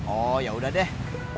oh yaudah deh